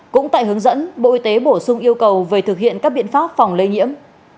cũng tại hướng dẫn bộ y tế bổ sung yêu cầu về thực hiện các biện pháp phòng lây nhiễm